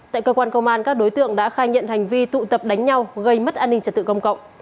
tại cơ quan công an các đối tượng đã khai nhận hành vi tụ tập đánh nhau gây mất an ninh trật tự công cộng